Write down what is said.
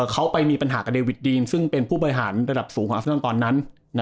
เขาไปมีปัญหากับเดวิดดีนซึ่งเป็นผู้บริหารระดับสูงของอาเซนอนตอนนั้น